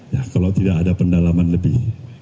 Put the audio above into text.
ya kalau tidak ada pendalaman lebih